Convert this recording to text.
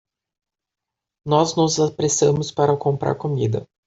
Nós nos apressamos para comprar comida.